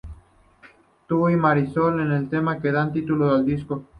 Tú y Marisol es el tema que da título al disco.